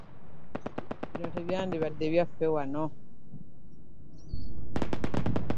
Bino tebyandibadde byaffe wano.